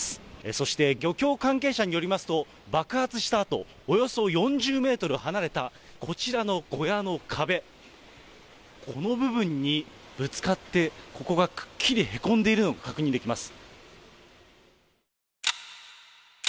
そして漁協関係者によりますと、爆発したあと、およそ４０メートル離れたこちらの小屋の壁、この部分にぶつかって、ここがくっきりへこんでいるのが確認できます。